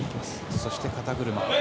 そして肩車。